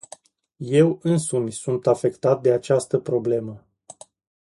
Eu însumi sunt afectat de această problemă.